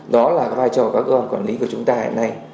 đó là vai trò của các cơ quan quản lý của chúng ta hiện nay